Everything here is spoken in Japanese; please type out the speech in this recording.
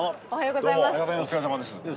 どうもお疲れさまです。